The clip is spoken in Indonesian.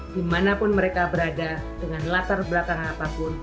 dimanapun mereka berada dengan latar belakang apapun